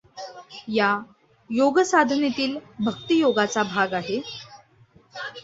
हा योगसाधनेतील भक्तियोगाचा भाग आहे.